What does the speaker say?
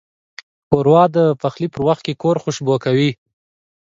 ښوروا د پخلي پر وخت کور خوشبویه کوي.